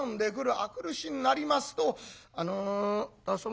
明くる日になりますと「あの旦様